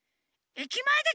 駅前で！？